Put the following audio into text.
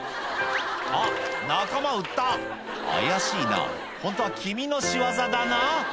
あっ仲間売った怪しいなホントは君の仕業だな？